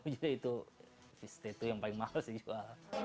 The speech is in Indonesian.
tiga puluh juta itu stay dua yang paling mahal sih jual